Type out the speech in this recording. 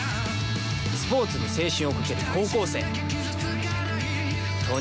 スポーツに青春をかける高校生。